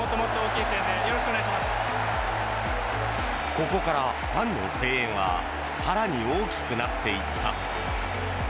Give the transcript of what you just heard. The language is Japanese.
ここからファンの声援は更に大きくなっていった。